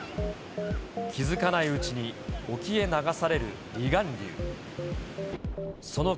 気付かないうちに沖へ流される離岸流。